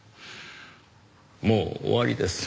もう終わりです。